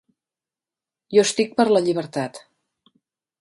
Jo estic per la llibertat.